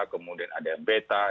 kemudian ada yang beta